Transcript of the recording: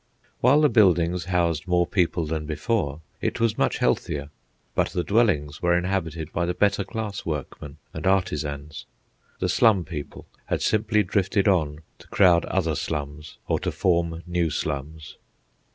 While the buildings housed more people than before, it was much healthier. But the dwellings were inhabited by the better class workmen and artisans. The slum people had simply drifted on to crowd other slums or to form new slums.